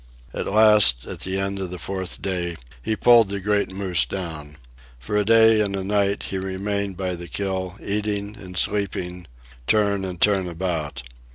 At last, at the end of the fourth day, he pulled the great moose down. For a day and a night he remained by the kill, eating and sleeping, turn and turn about.